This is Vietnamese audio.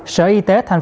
sở y tế tp hcm